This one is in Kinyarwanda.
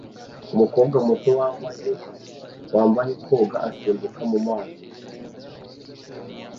Umukobwa muto wambaye koga asimbukira mu mazi